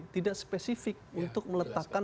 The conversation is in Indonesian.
tidak spesifik untuk meletakkan